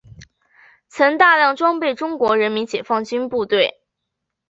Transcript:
曾大量装备中国人民解放军部队。